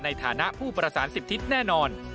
ในฐานะผู้ประสานสิทธิแน่นอน